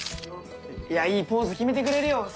いやいいポーズ決めてくれるよ